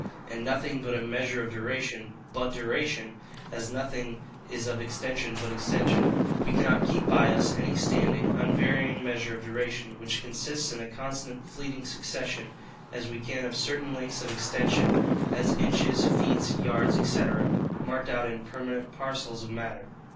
And nothing being a measure of duration but duration, as nothing is of extension but extension, we cannot keep by us any standing, unvarying measure of duration, which consists in a constant fleeting succession, as we can of certain lengths of extension, as inches, feet, yards, &c., marked out in permanent parcels of matter.